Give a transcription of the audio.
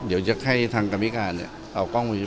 เดี๋ยวจะให้ทางกรรมิการเอากล้องวงชนปิด